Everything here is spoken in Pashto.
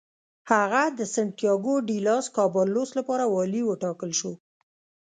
هغه د سنتیاګو ډي لاس کابالروس لپاره والي وټاکل شو.